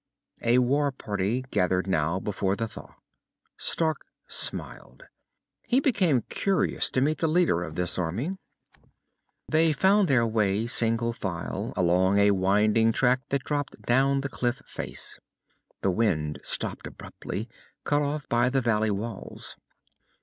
A war party, gathered now, before the thaw. Stark smiled. He became curious to meet the leader of this army. They found their way single file along a winding track that dropped down the cliff face. The wind stopped abruptly, cut off by the valley walls.